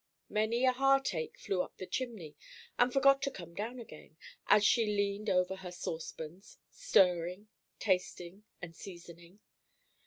Many a heart ache flew up the chimney and forgot to come down again, as she leaned over her saucepans, stirring, tasting, and seasoning.